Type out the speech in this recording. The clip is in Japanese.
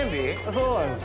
そうなんです。